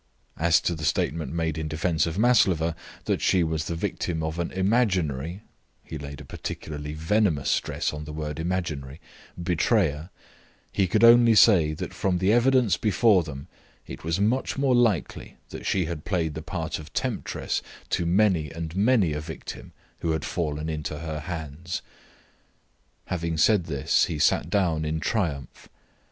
As to the statement made in defence of Maslova, that she was the victim of an imaginary (he laid a particularly venomous stress on the word imaginary) betrayer, he could only say that from the evidence before them it was much more likely that she had played the part of temptress to many and many a victim who had fallen into her hands. Having said this he sat down in triumph.